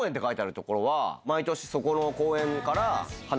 毎年そこの公園から。